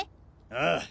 ああ。